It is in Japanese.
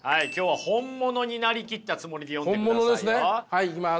はいいきます。